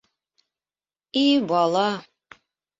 И бала...